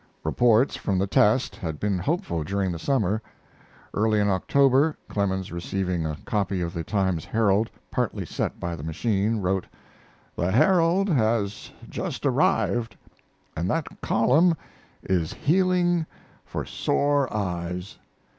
Reports from the test had been hopeful during the summer. Early in October Clemens, receiving a copy of the Times Herald, partly set by the machine, wrote: "The Herald has just arrived, and that column is healing for sore eyes.